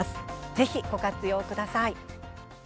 ぜひ、ご活用ください。